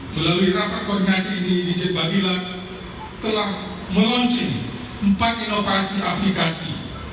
melalui rapat koordinasi ini dijet badan peradilan agama telah meluncing empat inovasi aplikasi